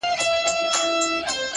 • پر ښايستوكو سترگو ـ